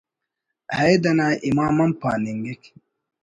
عہد انا امام ہم پاننگک